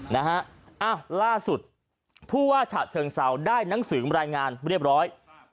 ถ้าล่าสุดผู้ว่าฉัดเชิงสาวได้หนังสือกับรายงานเรียบร้อย